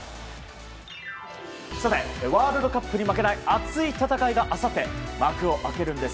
ワールドカップに負けない熱い戦いがあさって幕を開けるんです。